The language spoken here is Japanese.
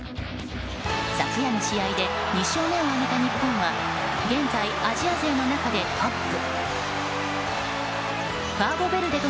昨夜の試合で２勝目を挙げた日本は現在、アジア勢の中でトップ。